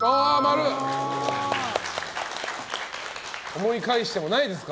思い返してもないですか。